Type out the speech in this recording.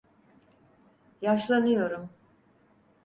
Yaşlanıyorum.